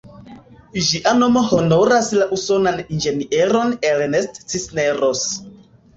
Ĝia nomo honoras la usonan inĝenieron "Ernest Cisneros".